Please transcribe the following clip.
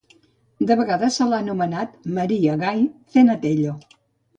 De vegades se l'ha anomenat Maria Gay Zenatello.